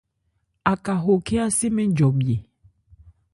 Aká ho khɛ́n á se mɛ́n jɔbhye.